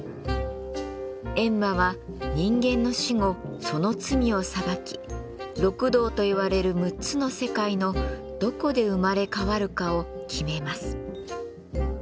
閻魔は人間の死後その罪を裁き六道といわれる６つの世界のどこで生まれ変わるかを決めます。